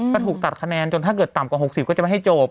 ก็ถูกตัดคะแนนจนถ้าเกิดต่ำกว่า๖๐ก็จะไม่ให้จบ